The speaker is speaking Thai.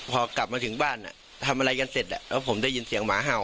พอกลับมาถึงบ้านทำอะไรกันเสร็จแล้วผมได้ยินเสียงหมาเห่า